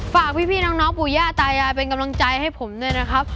ฝากพี่น้องปู่ย่าตายายเป็นกำลังใจให้ผมด้วยนะครับ